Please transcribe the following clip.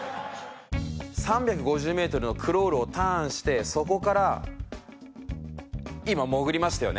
３５０メートルのクロールをターンしてそこから今潜りましたよね？